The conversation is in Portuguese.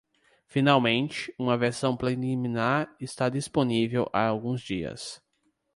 Finalmente, uma versão preliminar está disponível há alguns dias.